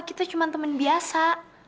kita cuma teman biasa